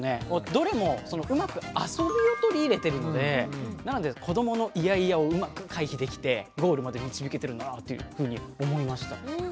どれもうまくあそびを取り入れてるのでなので子どものイヤイヤをうまく回避できてゴールまで導けてるなっていうふうに思いました。